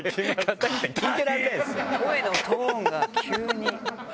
声のトーンが急に。